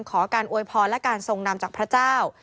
ขอการอวยพรและการทรงนำจากพระเจ้า